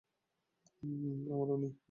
আমার মা উনি।